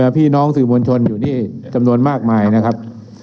พี่น้องสื่อมวลชนอยู่นี่จำนวนมากมายนะครับ